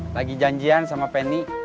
lagi janjian sama penny